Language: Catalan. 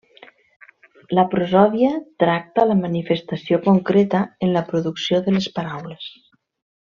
La prosòdia tracta la manifestació concreta en la producció de les paraules.